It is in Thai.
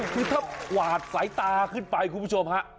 คือถ้ากวาดสายตาขึ้นไปคุณผู้ชมฮะ